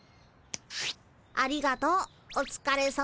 ありがとうおつかれさま。